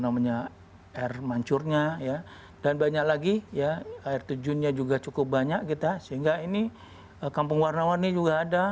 namanya air mancurnya dan banyak lagi ya air terjunnya juga cukup banyak kita sehingga ini kampung warna warni juga ada